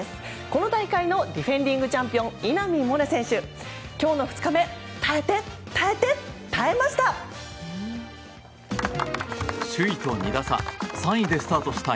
この大会のディフェンディングチャンピオン稲見萌寧選手、今日の２日目耐えて耐えて耐えました。